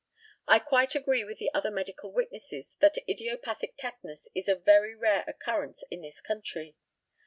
I quite agree with the other medical witnesses, that idiopathic tetanus is of very rare occurrence in this country.